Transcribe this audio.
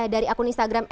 dari akun instagram